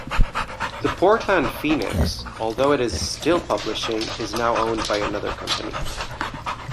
The "Portland Phoenix", although it is still publishing, is now owned by another company.